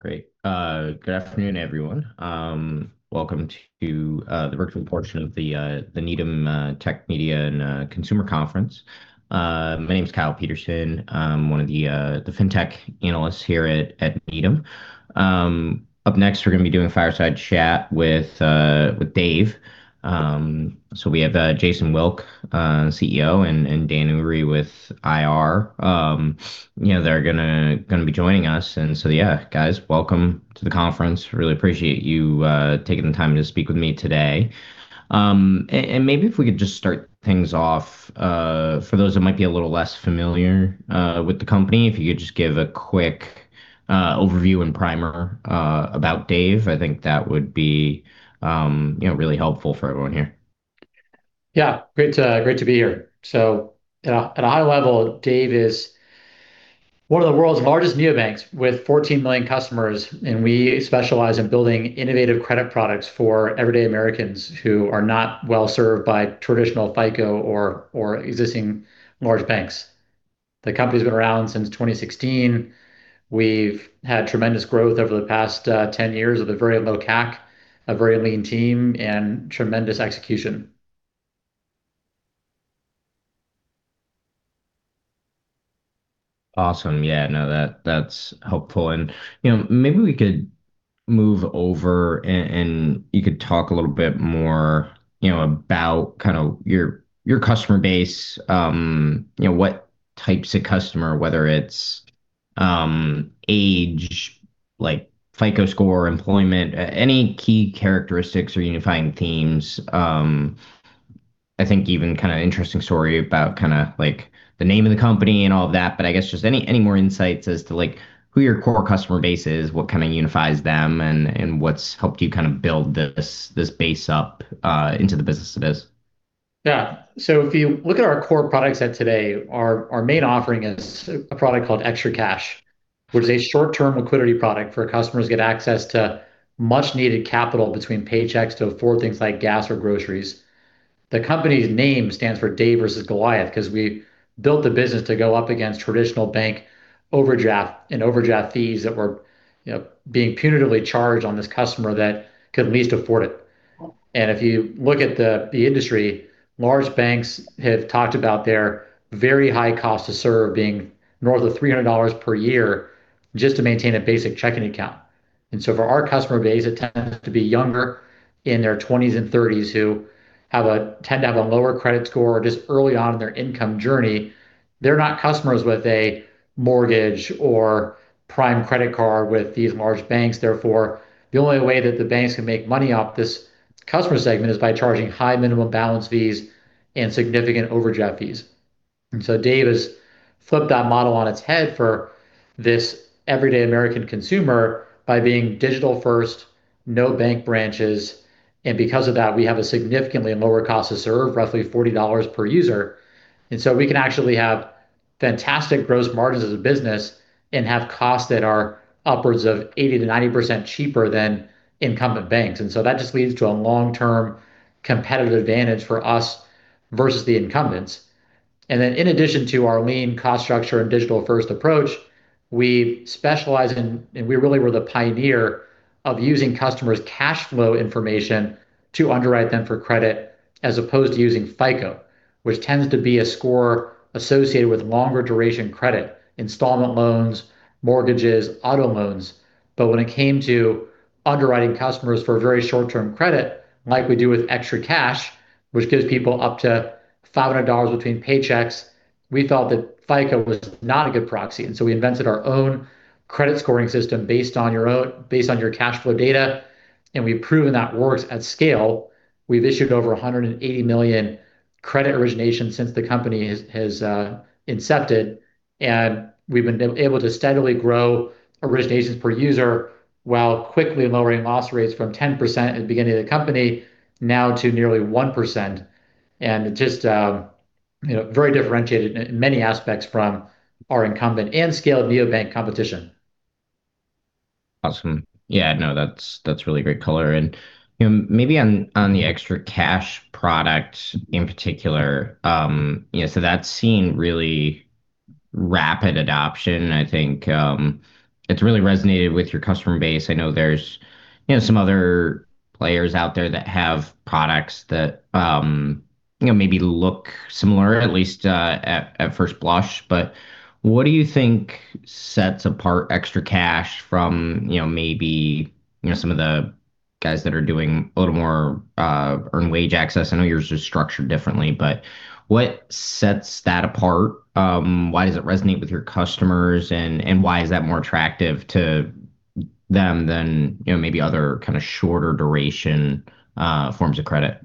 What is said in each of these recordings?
Great. Good afternoon, everyone. Welcome to the virtual portion of the Needham Tech, Media, and Consumer Conference. My name's Kyle Peterson. I'm one of the fintech analysts here at Needham. Up next, we're going to be doing a fireside chat with Dave. We have Jason Wilk, CEO, and Dan Ury with IR. They're going to be joining us. Yeah, guys, welcome to the conference. Really appreciate you taking the time to speak with me today. Maybe if we could just start things off, for those that might be a little less familiar with the company, if you could just give a quick overview and primer about Dave, I think that would be really helpful for everyone here. Yeah. Great to be here. At a high level, Dave is one of the world's largest neobanks, with 14 million customers, and we specialize in building innovative credit products for everyday Americans who are not well-served by traditional FICO or existing large banks. The company's been around since 2016. We've had tremendous growth over the past 10 years with a very low CAC, a very lean team, and tremendous execution. Awesome. Yeah, no, that's helpful. Maybe we could move over and you could talk a little bit more about your customer base. What types of customer, whether it's age, FICO score, employment, any key characteristics or unifying themes. I think even interesting story about the name of the company and all of that, but I guess just any more insights as to who your core customer base is, what unifies them, and what's helped you build this base up into the business it is. If you look at our core product set today, our main offering is a product called ExtraCash, which is a short-term liquidity product for customers to get access to much-needed capital between paychecks to afford things like gas or groceries. The company's name stands for Dave versus Goliath because we built the business to go up against traditional bank overdraft and overdraft fees that were being punitively charged on this customer that could least afford it. If you look at the industry, large banks have talked about their very high cost to serve being north of $300 per year just to maintain a basic checking account. For our customer base, it tends to be younger, in their twenties and thirties, who tend to have a lower credit score or just early on in their income journey. They're not customers with a mortgage or prime credit card with these large banks. Therefore, the only way that the banks can make money off this customer segment is by charging high minimum balance fees and significant overdraft fees. Dave has flipped that model on its head for this everyday American consumer by being digital-first, no bank branches, and because of that, we have a significantly lower cost to serve, roughly $40 per user. We can actually have fantastic gross margins as a business and have costs that are upwards of 80%-90% cheaper than incumbent banks. That just leads to a long-term competitive advantage for us versus the incumbents. In addition to our lean cost structure and digital-first approach, we specialize in, and we really were the pioneer of using customers' cash flow information to underwrite them for credit as opposed to using FICO, which tends to be a score associated with longer duration credit, installment loans, mortgages, auto loans. When it came to underwriting customers for very short-term credit, like we do with ExtraCash, which gives people up to $500 between paychecks, we felt that FICO was not a good proxy. We invented our own credit scoring system based on your cash flow data, and we've proven that works at scale. We've issued over 180 million credit originations since the company has incepted, and we've been able to steadily grow originations per user while quickly lowering loss rates from 10% at the beginning of the company now to nearly 1%. Very differentiated in many aspects from our incumbent and scale neobank competition. Awesome. Yeah, no, that's really great color. Maybe on the ExtraCash product in particular, that's seen really rapid adoption. I think it's really resonated with your customer base. I know there's some other players out there that have products that maybe look similar, at least at first blush. What do you think sets apart ExtraCash from maybe some of the guys that are doing a little more earned wage access? I know yours is structured differently, but what sets that apart? Why does it resonate with your customers, and why is that more attractive to them than maybe other shorter duration forms of credit?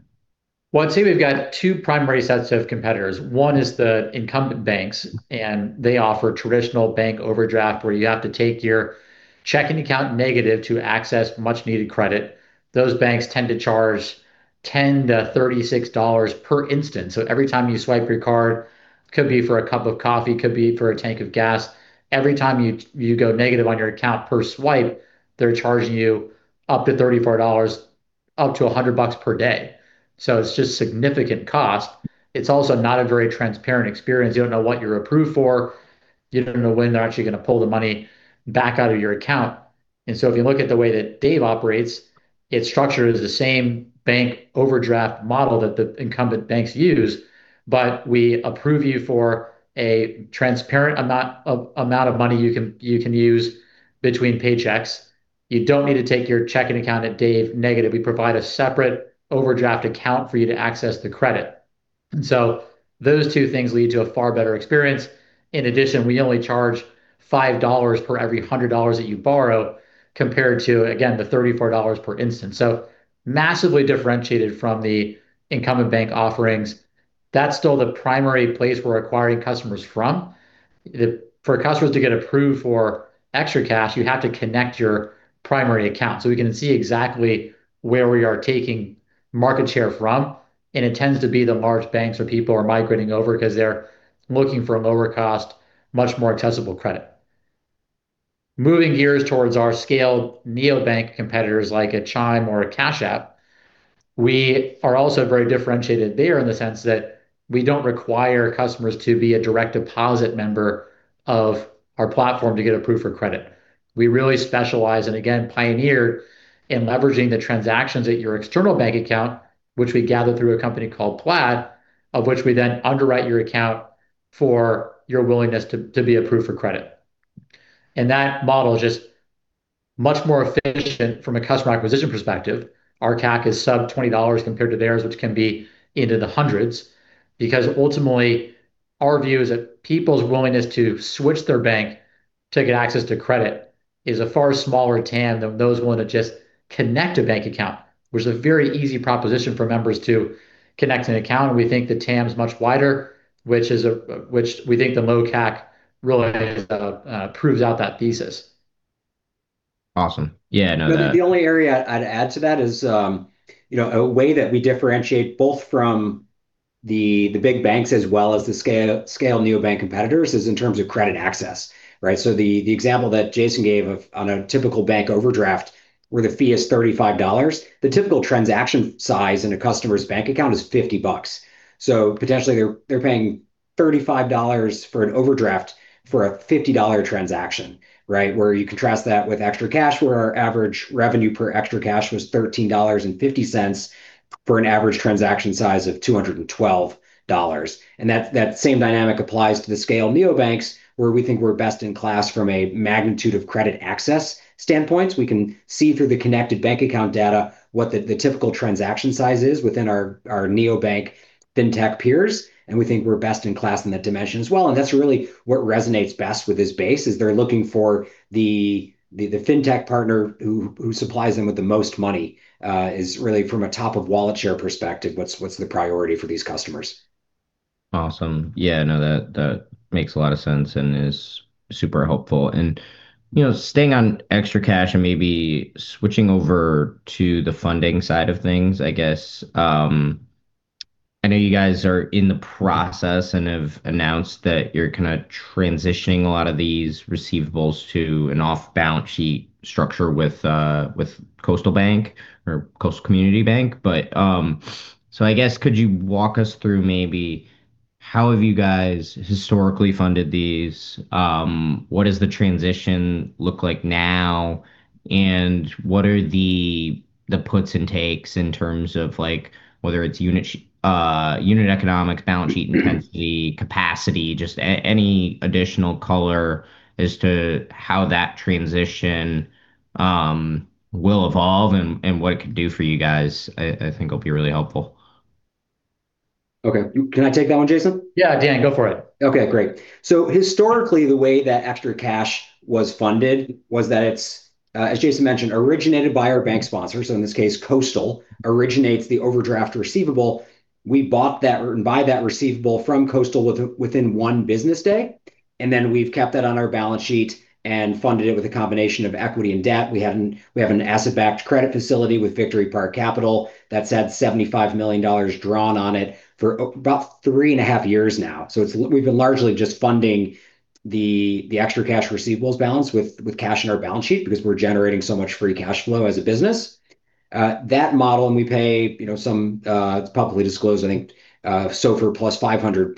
I'd say we've got two primary sets of competitors. One is the incumbent banks. They offer traditional bank overdraft where you have to take your checking account negative to access much-needed credit. Those banks tend to charge $10-$36 per instance. Every time you swipe your card, could be for a cup of coffee, could be for a tank of gas. Every time you go negative on your account per swipe, they're charging you up to $34. Up to $100 per day. It's just significant cost. It's also not a very transparent experience. You don't know what you're approved for, you don't know when they're actually going to pull the money back out of your account. If you look at the way that Dave operates, it's structured as the same bank overdraft model that the incumbent banks use. We approve you for a transparent amount of money you can use between paychecks. You don't need to take your checking account at Dave negative. We provide a separate overdraft account for you to access the credit. Those two things lead to a far better experience. In addition, we only charge $5 for every $100 that you borrow, compared to, again, the $34 per instance. Massively differentiated from the incumbent bank offerings. That's still the primary place we're acquiring customers from. For customers to get approved for ExtraCash, you have to connect your primary account so we can see exactly where we are taking market share from. It tends to be the large banks where people are migrating over because they're looking for a lower cost, much more accessible credit. Moving gears towards our scaled neobank competitors like a Chime or a Cash App, we are also very differentiated there in the sense that we don't require customers to be a direct deposit member of our platform to get approved for credit. We really specialize and again pioneer in leveraging the transactions at your external bank account, which we gather through a company called Plaid, of which we then underwrite your account for your willingness to be approved for credit. That model is just much more efficient from a customer acquisition perspective. Our CAC is sub $20 compared to theirs, which can be into the hundreds because ultimately our view is that people's willingness to switch their bank to get access to credit is a far smaller TAM than those willing to just connect a bank account, which is a very easy proposition for members to connect an account. We think the TAM is much wider, which we think the low CAC really proves out that thesis. Awesome. Yeah, no, that. The only area I'd add to that is a way that we differentiate both from the big banks as well as the scale neobank competitors is in terms of credit access. Right. The example that Jason gave of on a typical bank overdraft where the fee is $35, the typical transaction size in a customer's bank account is $50. Potentially they're paying $35 for an overdraft for a $50 transaction. Right. Where you contrast that with ExtraCash, where our average revenue per ExtraCash was $13.50 for an average transaction size of $212. That same dynamic applies to the scale neobanks, where we think we're best in class from a magnitude of credit access standpoint. We can see through the connected bank account data what the typical transaction size is within our neobank fintech peers, and we think we're best in class in that dimension as well. That's really what resonates best with this base, is they're looking for the fintech partner who supplies them with the most money is really from a top of wallet share perspective, what's the priority for these customers. Awesome. Yeah, no, that makes a lot of sense and is super helpful. Staying on ExtraCash and maybe switching over to the funding side of things, I guess I know you guys are in the process and have announced that you're kind of transitioning a lot of these receivables to an off-balance sheet structure with Coastal Community Bank. I guess could you walk us through maybe how have you guys historically funded these? What does the transition look like now, and what are the puts and takes in terms of whether it's unit economics, balance sheet intensity, capacity, just any additional color as to how that transition will evolve and what it could do for you guys I think will be really helpful. Okay. Can I take that one, Jason? Yeah, Dan, go for it. Historically, the way that ExtraCash was funded was that it's, as Jason mentioned, originated by our bank sponsor, so in this case, Coastal originates the overdraft receivable. We buy that receivable from Coastal within one business day, and then we've kept that on our balance sheet and funded it with a combination of equity and debt. We have an asset-backed credit facility with Victory Park Capital that's had $75 million drawn on it for about three and a half years now. We've been largely just funding the ExtraCash receivables balance with cash in our balance sheet because we're generating so much free cash flow as a business. It's publicly disclosed, I think, SOFR plus 500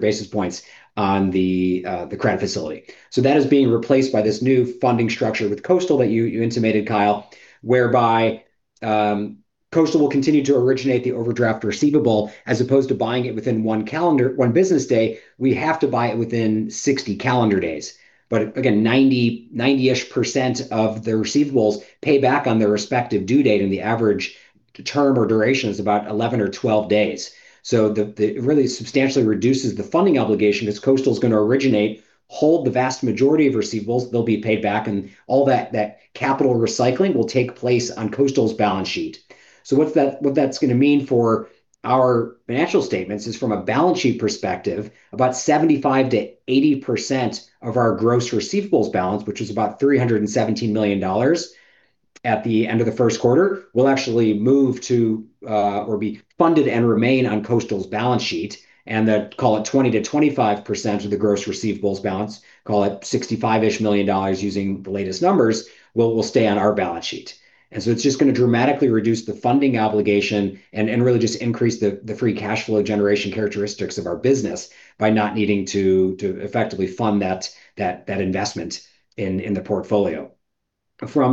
basis points on the credit facility. That is being replaced by this new funding structure with Coastal that you intimated, Kyle, whereby Coastal will continue to originate the overdraft receivable as opposed to buying it within one business day. We have to buy it within 60 calendar days. Again, 90-ish% of the receivables pay back on their respective due date, and the average term or duration is about 11 or 12 days. It really substantially reduces the funding obligation because Coastal is going to originate, hold the vast majority of receivables, they'll be paid back, and all that capital recycling will take place on Coastal's balance sheet. What that's going to mean for our financial statements is from a balance sheet perspective, about 75%-80% of our gross receivables balance, which is about $317 million at the end of the first quarter, will actually move to or be funded and remain on Coastal's balance sheet, and then call it 20%-25% of the gross receivables balance, call it $65 million using the latest numbers, will stay on our balance sheet. It's just going to dramatically reduce the funding obligation and really just increase the free cash flow generation characteristics of our business by not needing to effectively fund that investment in the portfolio. If you're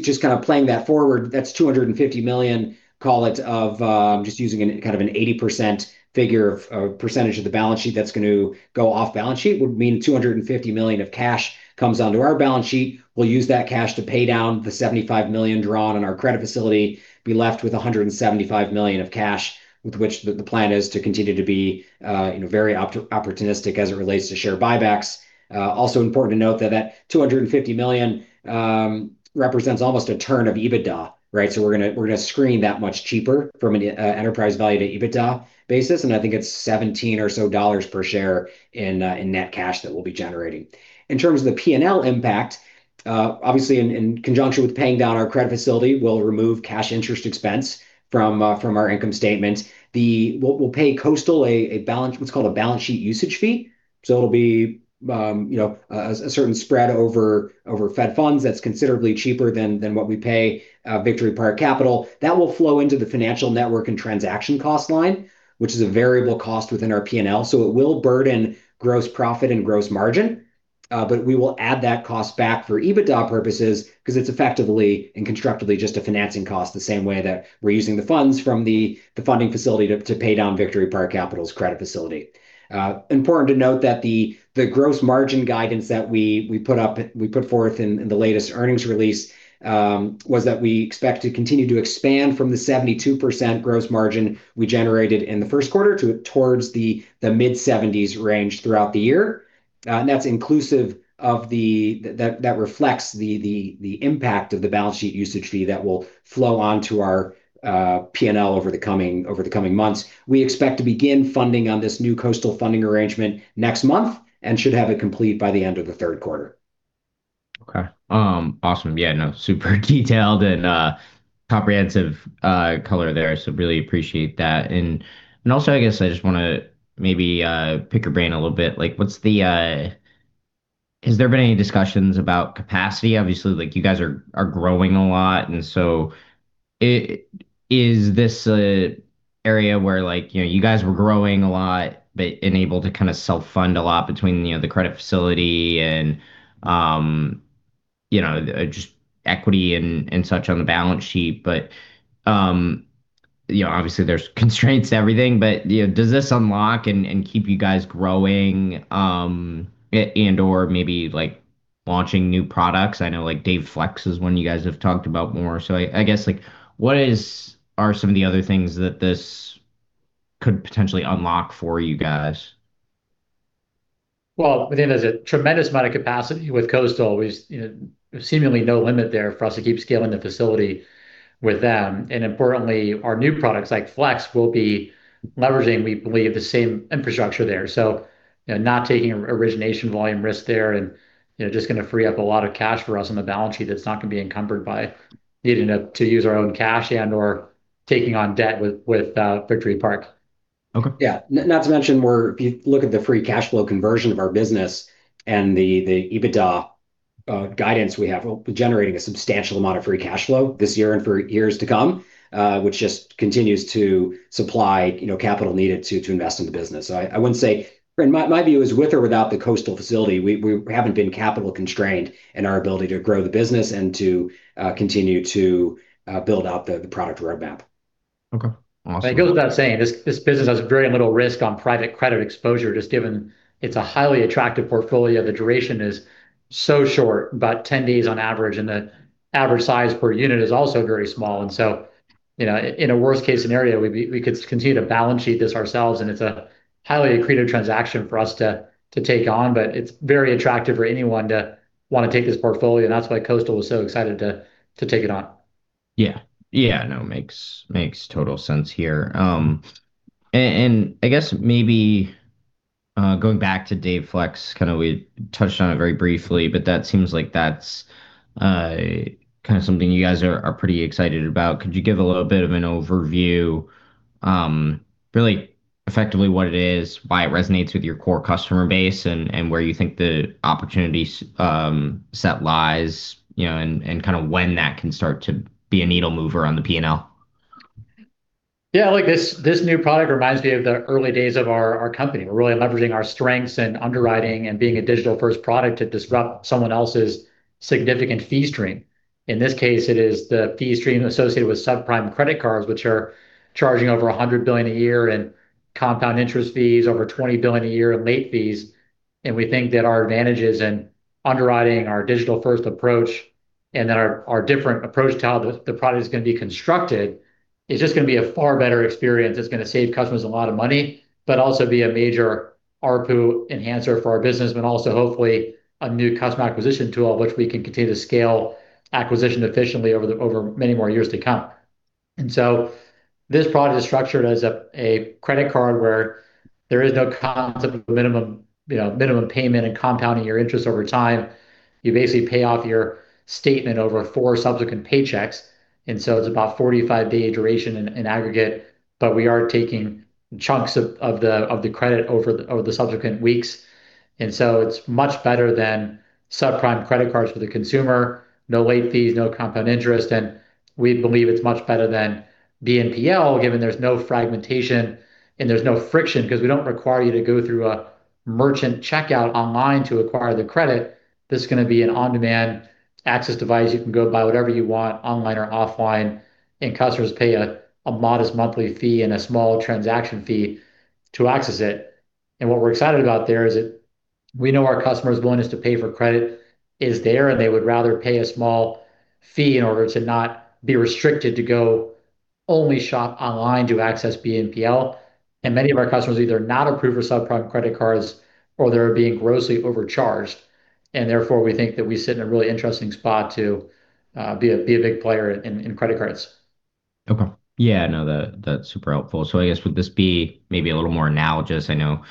just playing that forward, that's $250 million, call it, of just using an 80% figure of percentage of the balance sheet that's going to go off balance sheet would mean $250 million of cash comes onto our balance sheet. We'll use that cash to pay down the $75 million drawn on our credit facility. Be left with $175 million of cash with which the plan is to continue to be very opportunistic as it relates to share buybacks. Also important to note that that $250 million represents almost a turn of EBITDA, right. We're going to screen that much cheaper from an enterprise value to EBITDA basis, and I think it's $17 or so per share in net cash that we'll be generating. In terms of the P&L impact, obviously, in conjunction with paying down our credit facility, we'll remove cash interest expense from our income statement. We'll pay Coastal what's called a balance sheet usage fee. It'll be a certain spread over Fed funds that's considerably cheaper than what we pay Victory Park Capital. That will flow into the financial network and transaction cost line, which is a variable cost within our P&L. It will burden gross profit and gross margin, but we will add that cost back for EBITDA purposes because it's effectively and constructively just a financing cost, the same way that we're using the funds from the funding facility to pay down Victory Park Capital's credit facility. Important to note that the gross margin guidance that we put forth in the latest earnings release was that we expect to continue to expand from the 72% gross margin we generated in the first quarter towards the mid-70s range throughout the year. That reflects the impact of the balance sheet usage fee that will flow onto our P&L over the coming months. We expect to begin funding on this new Coastal funding arrangement next month and should have it complete by the end of the third quarter. Okay. Awesome. Super detailed and comprehensive color there, so really appreciate that. I guess I just want to maybe pick your brain a little bit. Has there been any discussions about capacity? Obviously, you guys are growing a lot, is this an area where you guys were growing a lot but unable to self-fund a lot between the credit facility and just equity and such on the balance sheet? Obviously there's constraints to everything, does this unlock and keep you guys growing and/or maybe launching new products? I know Dave Flex is one you guys have talked about more, I guess what are some of the other things that this could potentially unlock for you guys? I think there's a tremendous amount of capacity with Coastal. There's seemingly no limit there for us to keep scaling the facility with them. Importantly, our new products like Flex will be leveraging, we believe, the same infrastructure there. Not taking origination volume risk there and just going to free up a lot of cash for us on the balance sheet that's not going to be encumbered by needing to use our own cash and/or taking on debt with Victory Park. Okay. Not to mention if you look at the free cash flow conversion of our business and the EBITDA guidance we have, we're generating a substantial amount of free cash flow this year and for years to come, which just continues to supply capital needed to invest in the business. I wouldn't say, Brent, my view is with or without the Coastal facility, we haven't been capital constrained in our ability to grow the business and to continue to build out the product roadmap. Okay. Awesome. It goes without saying, this business has very little risk on private credit exposure, just given it's a highly attractive portfolio. The duration is so short, about 10 days on average, and the average size per unit is also very small. In a worst-case scenario, we could continue to balance sheet this ourselves, and it's a highly accretive transaction for us to take on. It's very attractive for anyone to want to take this portfolio, and that's why Coastal was so excited to take it on. Yeah, no, makes total sense here. I guess maybe going back to Dave Flex, we touched on it very briefly, but that seems like that's something you guys are pretty excited about. Could you give a little bit of an overview, really effectively what it is, why it resonates with your core customer base, and where you think the opportunity set lies, and when that can start to be a needle mover on the P&L? Yeah, this new product reminds me of the early days of our company. We're really leveraging our strengths and underwriting and being a digital-first product to disrupt someone else's significant fee stream. In this case, it is the fee stream associated with subprime credit cards, which are charging over $100 billion a year in compound interest fees, over $20 billion a year in late fees. We think that our advantages in underwriting our digital-first approach and that our different approach to how the product is going to be constructed is just going to be a far better experience. It's going to save customers a lot of money, but also be a major ARPU enhancer for our business, but also hopefully a new customer acquisition tool which we can continue to scale acquisition efficiently over many more years to come. This product is structured as a credit card where there is no concept of minimum payment and compounding your interest over time. You basically pay off your statement over four subsequent paychecks, and so it's about a 45-day duration in aggregate, but we are taking chunks of the credit over the subsequent weeks. It's much better than subprime credit cards for the consumer. No late fees, no compound interest, and we believe it's much better than BNPL, given there's no fragmentation and there's no friction because we don't require you to go through a merchant checkout online to acquire the credit. This is going to be an on-demand access device. You can go buy whatever you want online or offline, and customers pay a modest monthly fee and a small transaction fee to access it. What we're excited about there is that we know our customers' willingness to pay for credit is there, and they would rather pay a small fee in order to not be restricted to go only shop online to access BNPL. Many of our customers are either not approved for subprime credit cards or they're being grossly overcharged. Therefore, we think that we sit in a really interesting spot to be a big player in credit cards. Okay. Yeah, no, that's super helpful. I guess would this be maybe a little more analogous, I know,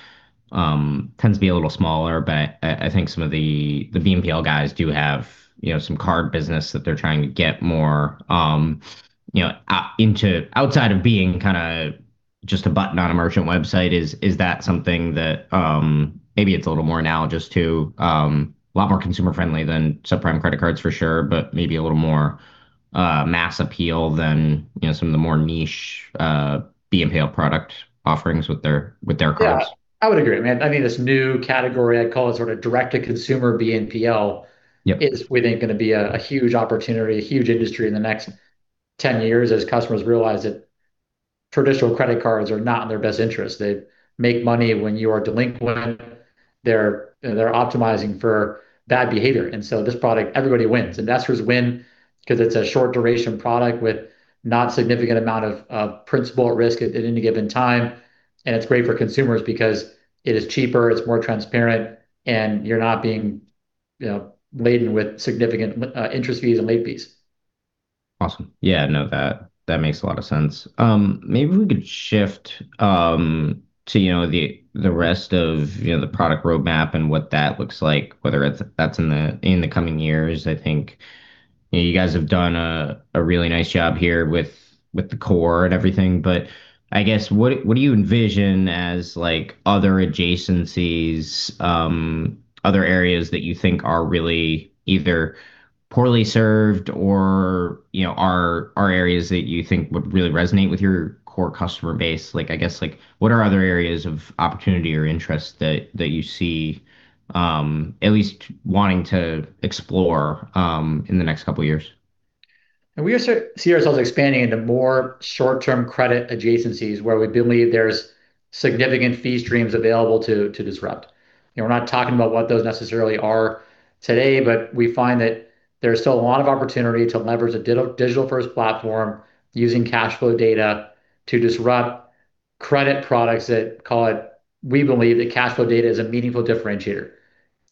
tends to be a little smaller, but I think some of the BNPL guys do have some card business that they're trying to get more outside of being kind of just a button on a merchant website. Is that something that maybe it's a little more analogous to, a lot more consumer-friendly than subprime credit cards for sure, but maybe a little more mass appeal than some of the more niche BNPL product offerings with their cards. Yeah. I would agree. Man, I think this new category, I'd call it sort of direct-to-consumer BNPL- Yep is, we think, going to be a huge opportunity, a huge industry in the next 10 years as customers realize that traditional credit cards are not in their best interest. They make money when you are delinquent. They're optimizing for bad behavior. This product, everybody wins. Investors win because it's a short duration product with not significant amount of principal at risk at any given time. It's great for consumers because it is cheaper, it's more transparent, and you're not being laden with significant interest fees and late fees. Awesome. Yeah, no, that makes a lot of sense. Maybe we could shift to the rest of the product roadmap and what that looks like, whether that's in the coming years. I think you guys have done a really nice job here with the core and everything, but I guess, what do you envision as other adjacencies, other areas that you think are really either poorly served or are areas that you think would really resonate with your core customer base? I guess, what are other areas of opportunity or interest that you see at least wanting to explore in the next couple of years? We see ourselves expanding into more short-term credit adjacencies where we believe there's significant fee streams available to disrupt. We're not talking about what those necessarily are today, but we find that there's still a lot of opportunity to leverage a digital-first platform using cash flow data to disrupt credit products that, we believe that cash flow data is a meaningful differentiator.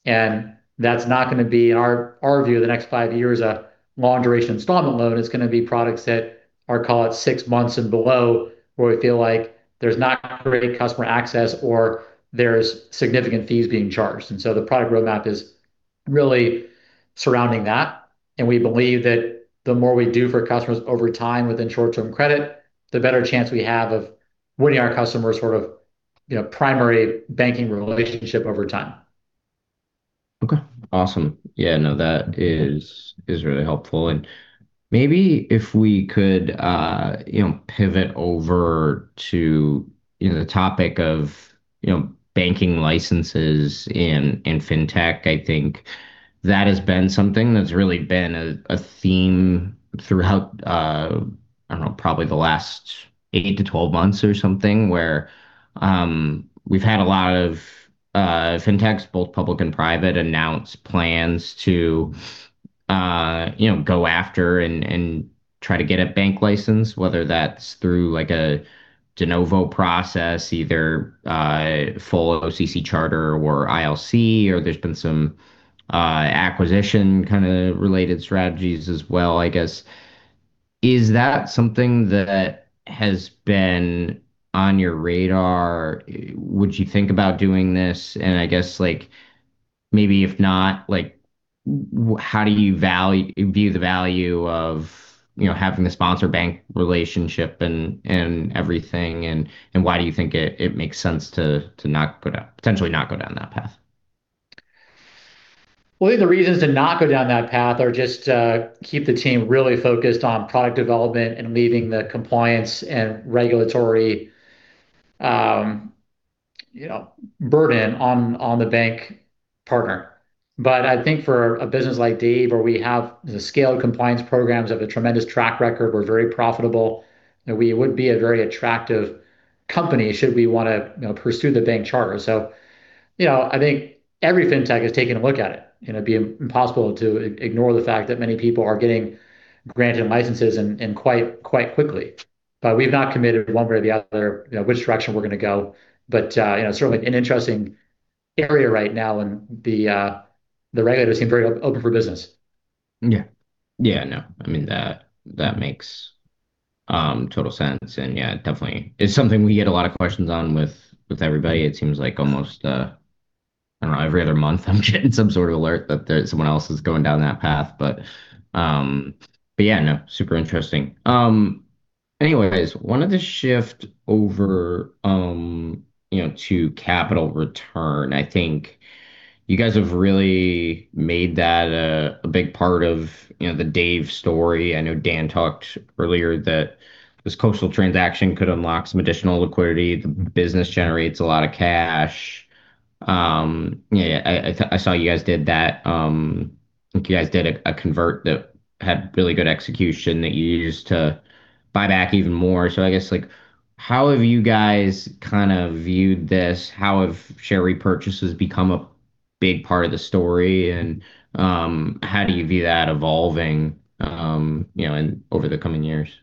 That's not going to be, in our view, the next five years, a long-duration installment loan. It's going to be products that are, call it, six months and below, where we feel like there's not great customer access or there's significant fees being charged. The product roadmap is really surrounding that, and we believe that the more we do for customers over time within short-term credit, the better chance we have of winning our customers' primary banking relationship over time. Okay, awesome. Yeah, no, that is really helpful. Maybe if we could pivot over to the topic of banking licenses in fintech. I think that has been something that's really been a theme throughout, I don't know, probably the last 8-12 months or something, where we've had a lot of fintechs, both public and private, announce plans to go after and try to get a bank license, whether that's through a de novo process, either a full OCC charter or ILC, or there's been some acquisition kind of related strategies as well, I guess. Is that something that has been on your radar? Would you think about doing this? I guess, maybe if not, how do you view the value of having the sponsor bank relationship and everything, and why do you think it makes sense to potentially not go down that path? Well, I think the reasons to not go down that path are just to keep the team really focused on product development and leaving the compliance and regulatory burden on the bank partner. I think for a business like Dave, where we have the scaled compliance programs, have a tremendous track record, we're very profitable, we would be a very attractive company should we want to pursue the bank charter. I think every fintech is taking a look at it, and it'd be impossible to ignore the fact that many people are getting granted licenses and quite quickly. We've not committed one way or the other which direction we're going to go. Certainly an interesting area right now and the regulators seem very open for business. Yeah. No, that makes total sense. Yeah, definitely is something we get a lot of questions on with everybody. It seems like almost, I don't know, every other month I'm getting some sort of alert that someone else is going down that path. Yeah. No, super interesting. Anyways, wanted to shift over to capital return. I think you guys have really made that a big part of the Dave story. I know Dan talked earlier that this Coastal transaction could unlock some additional liquidity. The business generates a lot of cash. Yeah, I saw you guys did that. I think you guys did a convert that had really good execution that you used to buy back even more. I guess, how have you guys viewed this? How have share repurchases become a big part of the story, and how do you view that evolving over the coming years?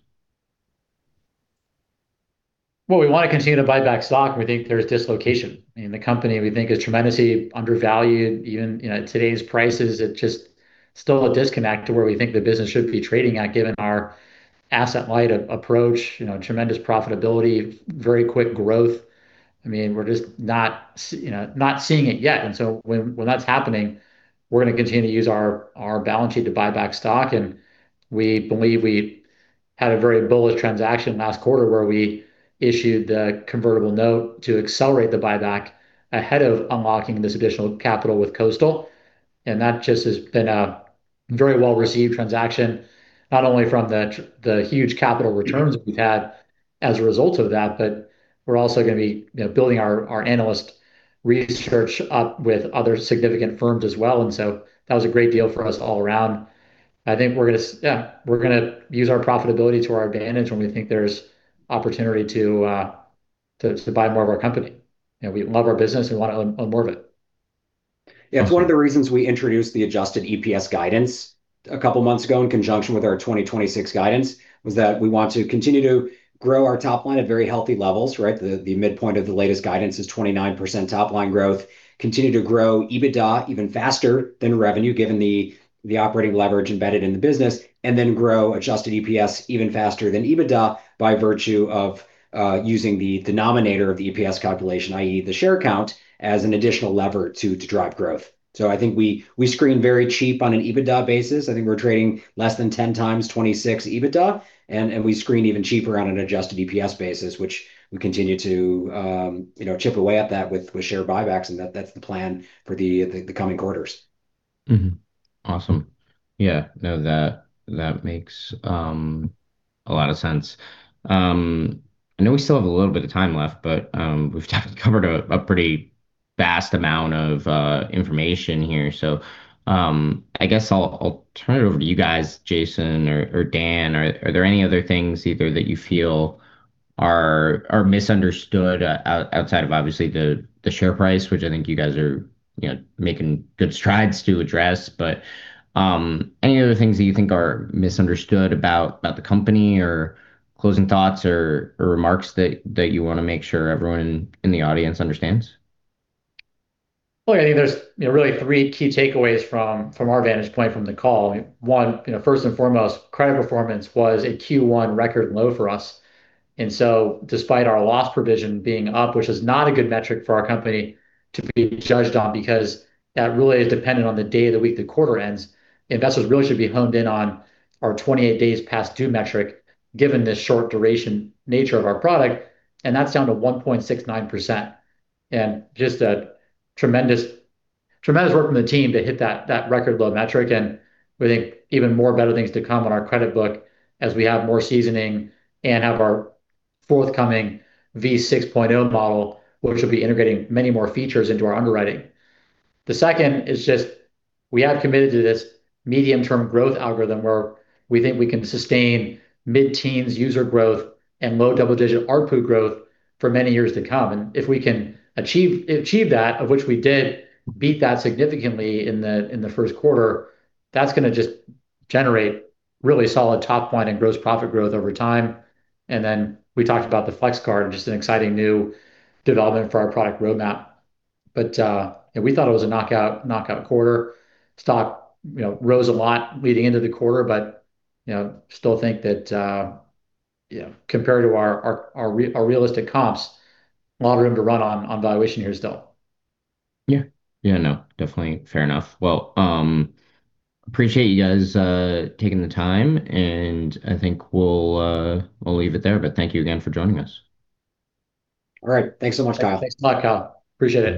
We want to continue to buy back stock where we think there's dislocation. The company, we think, is tremendously undervalued, even at today's prices. It's just still a disconnect to where we think the business should be trading at, given our asset-light approach, tremendous profitability, very quick growth. We're just not seeing it yet. When that's happening, we're going to continue to use our balance sheet to buy back stock. We believe we had a very bullish transaction last quarter where we issued the convertible note to accelerate the buyback ahead of unlocking this additional capital with Coastal. That just has been a very well-received transaction, not only from the huge capital returns we've had as a result of that, but we're also going to be building our analyst research up with other significant firms as well. That was a great deal for us all around. I think we're going to use our profitability to our advantage when we think there's opportunity to buy more of our company. We love our business. We want to own more of it. Yeah. It's one of the reasons we introduced the adjusted EPS guidance a couple of months ago in conjunction with our 2026 guidance, was that we want to continue to grow our top line at very healthy levels. Right? The midpoint of the latest guidance is 29% top-line growth, continue to grow EBITDA even faster than revenue, given the operating leverage embedded in the business, and then grow adjusted EPS even faster than EBITDA by virtue of using the denominator of the EPS calculation, i.e. the share count, as an additional lever to drive growth. I think we screen very cheap on an EBITDA basis. I think we're trading less than 10 times 2026 EBITDA, and we screen even cheaper on an adjusted EPS basis, which we continue to chip away at that with share buybacks, and that's the plan for the coming quarters. Awesome. Yeah. No, that makes a lot of sense. I know we still have a little bit of time left, but we've covered a pretty vast amount of information here. I guess I'll turn it over to you guys. Jason or Dan, are there any other things either that you feel are misunderstood outside of obviously the share price, which I think you guys are making good strides to address. Any other things that you think are misunderstood about the company, or closing thoughts or remarks that you want to make sure everyone in the audience understands? Well, I think there's really three key takeaways from our vantage point from the call. One, first and foremost, credit performance was a Q1 record low for us, despite our loss provision being up, which is not a good metric for our company to be judged on, because that really is dependent on the day of the week the quarter ends. Investors really should be honed in on our 28 days past due metric, given the short duration nature of our product, and that's down to 1.69%. Just a tremendous work from the team to hit that record low metric. We think even more better things to come on our credit book as we have more seasoning and have our forthcoming v6.0 model, which will be integrating many more features into our underwriting. The second is just we have committed to this medium-term growth algorithm where we think we can sustain mid-teens user growth and low double-digit ARPU growth for many years to come. If we can achieve that, of which we did beat that significantly in the first quarter, that's going to just generate really solid top line and gross profit growth over time. Then we talked about the Flex Card, just an exciting new development for our product roadmap. We thought it was a knockout quarter. Still think that compared to our realistic comps, a lot of room to run on valuation here still. Yeah. No, definitely. Fair enough. Well, appreciate you guys taking the time, and I think we'll leave it there. Thank you again for joining us. All right. Thanks so much, Kyle. Thanks a lot, Kyle. Appreciate it.